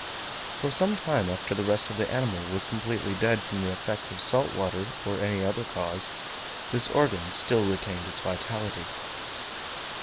For some time after the rest of the animal was completely dead from the effects of salt water or any other cause, this organ still retained its vitality.